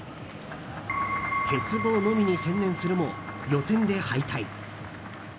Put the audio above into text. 鉄棒のみに専念するも予選で敗退。